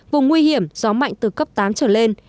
vùng nguy hiểm gió mạnh từ cấp tám trở lên